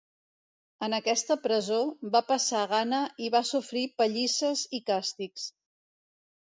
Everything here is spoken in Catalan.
En aquesta presó va passar gana i va sofrir pallisses i càstigs.